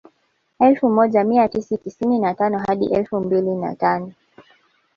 Elfu moja mia tisa tisini na tano hadi elfu mbili na tano